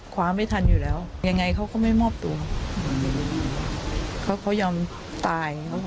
ความไม่ทันอยู่แล้วยังไงเขาก็ไม่มอบตัวเขาก็ยอมตาย